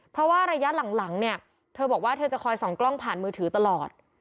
เพราะว่าระยะหลังเนี่ยเธอบอกว่าเธอจะคอยส่องกล้องผ่านมือถือตลอด